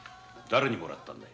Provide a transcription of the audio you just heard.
だれにもらったんだ？